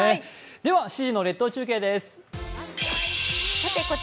では７時の列島中継です。